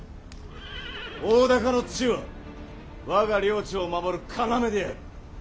大高の地は我が領地を守る要である。